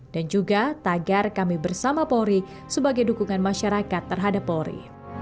dan juga tagar kami bersama polri sebagai dukungan masyarakat terhadap polri